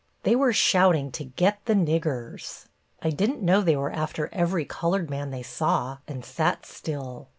They were shouting to 'Get the Niggers.' I didn't know they were after every colored man they saw, and sat still.